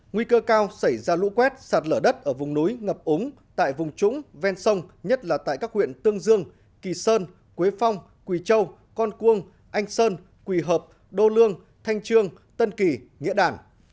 nguy cơ cao xảy ra lũ quét sạt lở đất ở vùng núi ngập ống tại vùng trũng ven sông nhất là tại các huyện tương dương kỳ sơn quế phong quỳ châu con cuông anh sơn quỳ hợp đô lương thanh trương tân kỳ nghĩa đảm